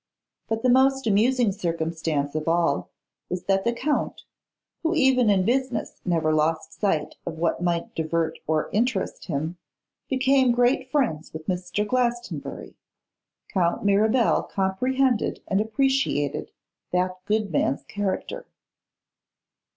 But the most amusing circumstance of all was that the Count, who even in business never lost sight of what might divert or interest him, became great friends with Mr. Glastonbury. Count Mirabel comprehended and appreciated that good man's character.